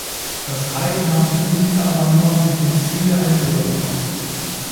Das Reich nahm die Umsiedler aber nur „mit dem Ziel der Einbürgerung“ auf.